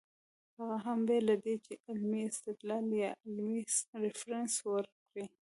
هغه هم بې له دې چې علمي استدلال يا علمي ريفرنس ورکړي